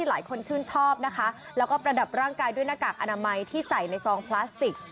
แล้วก็ประดับร่างกายด้วยหน้ากากอนามัยที่ใส่ในซองพลาสติก